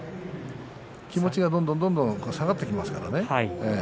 気持ちがどんどん下がってきます。